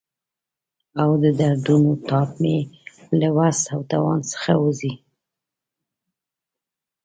او د دردونو تاب مې له وس او توان څخه وځي.